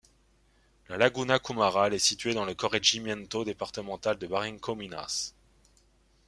La laguna Cumaral est située dans le corregimiento départemental de Barranco Minas.